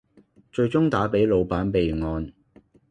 最終打俾老闆備案